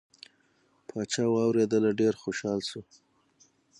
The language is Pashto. پاچا واورېدله ډیر خوشحال شو.